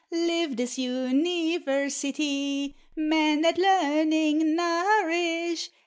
Live this university, Men that learning nourish!